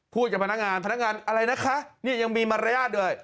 กับพนักงานพนักงานอะไรนะคะนี่ยังมีมารยาทเลย